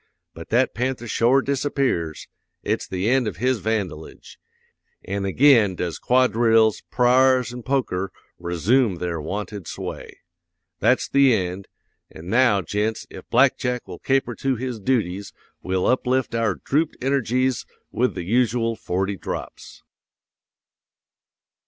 But that panther shore disappears; it's the end of his vandalage; an' ag'in does quadrilles, pra'rs, an poker resoom their wonted sway. That's the end; an' now, gents, if Black Jack will caper to his dooties we'll uplift our drooped energies with the usual forty drops.'"